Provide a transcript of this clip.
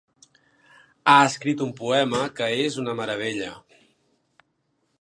Ha escrit un poema que és una meravella.